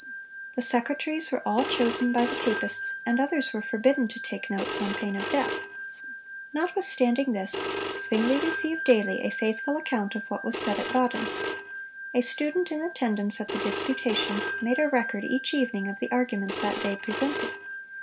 The secretaries were all chosen by the papists, and others were forbidden to take notes, on pain of death. Notwithstanding this, Zwingle received daily a faithful account of what was said at Baden. A student in attendance at the disputation, made a record each evening of the arguments that day presented.